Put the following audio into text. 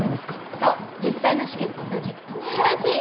そう実際の試験と同じマジ？